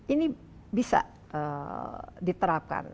ini bisa diterapkan